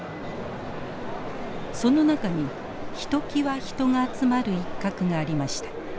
その中にひときわ人が集まる一角がありました。